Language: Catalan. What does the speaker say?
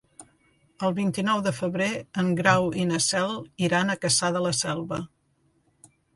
El vint-i-nou de febrer en Grau i na Cel iran a Cassà de la Selva.